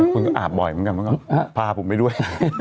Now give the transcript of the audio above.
คุณก็อาบบ่อยเหมือนกันเพราะว่าพาผมไปด้วย